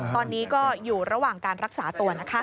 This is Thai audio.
ตอนนี้ก็อยู่ระหว่างการรักษาตัวนะคะ